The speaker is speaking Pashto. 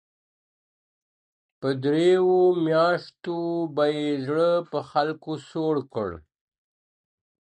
په دريو مياشتو به يې زړه په خلكو سوړ كړ.